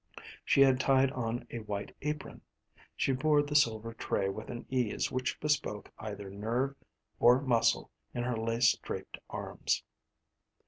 She had tied on a white apron. She bore the silver tray with an ease which bespoke either nerve or muscle in her lace draped arms.